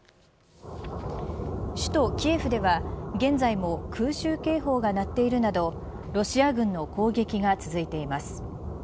首都キエフでは現在も空襲警報が鳴っているなどロシア軍の攻撃が続いています。